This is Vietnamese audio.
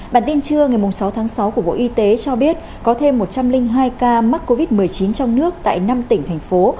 bản tin trưa ngày sáu tháng sáu của bộ y tế cho biết có thêm một trăm linh hai ca mắc covid một mươi chín trong nước tại năm tỉnh thành phố